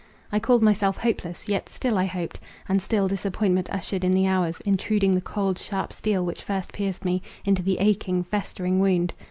I called myself hopeless, yet still I hoped; and still disappointment ushered in the hours, intruding the cold, sharp steel which first pierced me, into the aching festering wound.